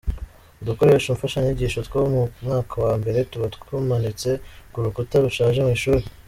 Udukoresho mfashanyigisho two mu mwaka wa mbere tuba tumanitse ku rukuta rushaje mu ishuri.